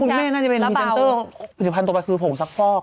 น่าจะเป็นพรีเซนเตอร์ผลิตภัณฑ์ต่อไปคือผงซักฟอก